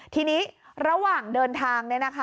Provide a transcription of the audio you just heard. ทีนี้ระหว่างเดินทาง